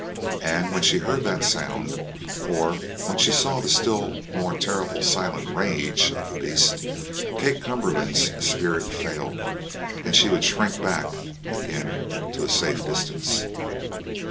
And when she heard that sound, or when she saw the still more terrible silent rage of the beast, Kate Cumberland's spirit failed, and she would shrink back again to a safe distance.